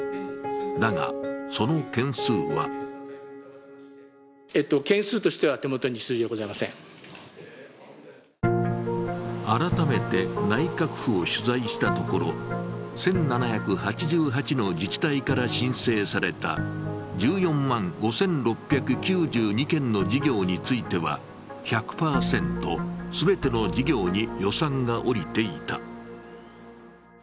だが、その件数は改めて内閣府を取材したところ、１７８８の自治体から申請された１４万５６９２件の事業については１００％、全ての事業に予算が下りていた。